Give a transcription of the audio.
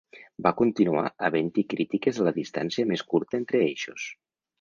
Va continuar havent-hi crítiques a la distància més curta entre eixos.